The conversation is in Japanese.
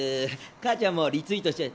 母ちゃんもリツイートしちゃ。